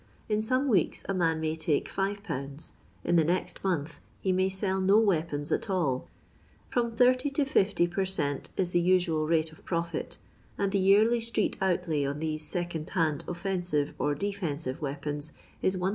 In some weeks a man may take 5/. ; in the next month he ■ay sell no weapons at all. From 80 to 50 per eat. is the usual rate of profit, and the yearly street outlay on these second hand offensive or de frnsive weapons is 1040